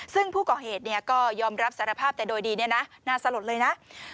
ซึ่งผู้ก่อเหตุก็ยอมรับสารภาพแต่โดยดีเนี่ยนะน่าสลดเลยนะ